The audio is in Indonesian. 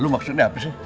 lo maksudnya apa sih